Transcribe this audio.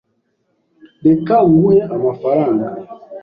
Reka nguhe amafaranga.